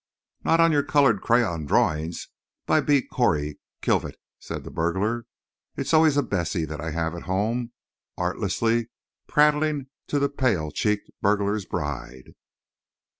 "Not on your coloured crayon drawings by B. Cory Kilvert," said the burglar. "It's always a Bessie that I have at home, artlessly prattling to the pale cheeked burglar's bride.